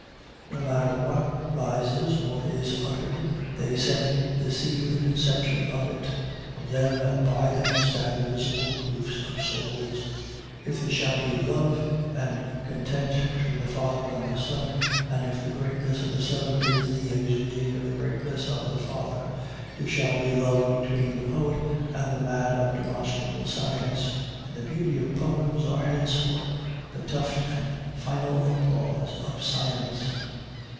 No matter what rises or is utter'd, they sent the seed of the conception of it of them and by them stand the visible proofs of souls. If there shall be love and content between the father and the son, and if the greatness of the son is the exuding of the greatness of the father, there shall be love between the poet and the man of demonstrable science. In the beauty of poems are henceforth the tuft and final applause of science.